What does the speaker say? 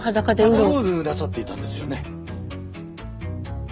パトロールなさっていたんですよね？